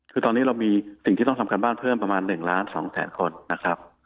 คือตอนนี้เรามีสิ่งที่ต้องทำการบ้านเพิ่มประมาณ๑ล้าน๒แสนคนนะครับ